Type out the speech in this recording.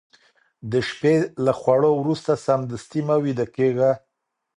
د شپې له خوړو وروسته سمدستي مه ويده کېږه